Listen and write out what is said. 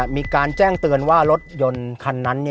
มีการแจ้งเตือนว่ารถยนต์คันนั้น